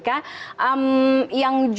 kalau kita lihat